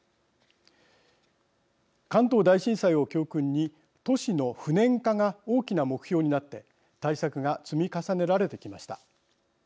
関東大震災を教訓に都市の不燃化が大きな目標になって対策が積み重ねられてきました。